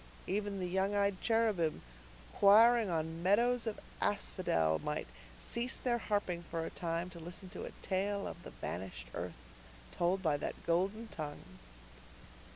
Even the young eyed cherubim, choiring on meadows of asphodel, might cease their harping for a time to listen to a tale of the vanished earth, told by that golden tongue.